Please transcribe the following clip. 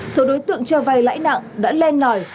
số đối tượng cho vay lãi nặng đã len lỏi